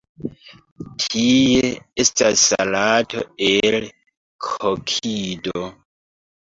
Tie estas salato el kokido.